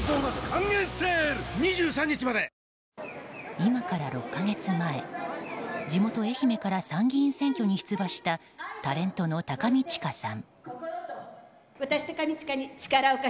今から６か月前地元・愛媛から参議院選挙に出馬したタレントの高見知佳さん。